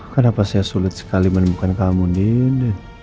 kenapa saya sulit sekali menemukan kamu din